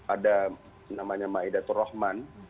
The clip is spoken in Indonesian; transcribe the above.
ada namanya maidatur rahman